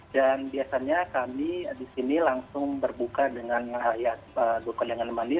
dan biasanya kami di sini langsung berbuka dengan ayat dukungan dengan mandi